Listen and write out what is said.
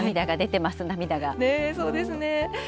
ねえ、そうですね。